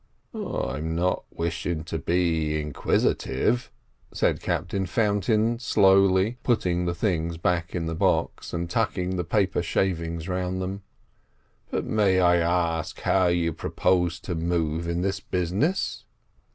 "I'm not wishing to be inquisitive," said Captain Fountain, slowly putting the things back in the box and tucking the paper shavings round them, "but may I ask how you propose to move in this business?"